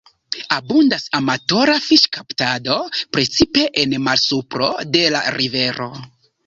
Abundas amatora fiŝkaptado, precipe en malsupro de la rivero.